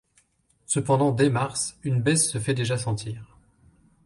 Cependant dès mars, une baisse se fait déjà sentir.